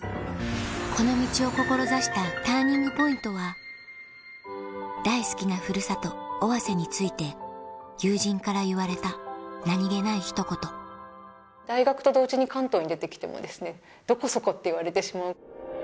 この道を志したＴＵＲＮＩＮＧＰＯＩＮＴは大好きなふるさと尾鷲について友人から言われた何げない一言大学と同時に関東に出てきても。って言われてしまう。